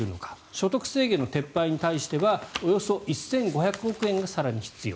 所得制限の撤廃に対してはおよそ１５００億円が更に必要。